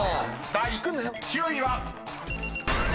［第９位は］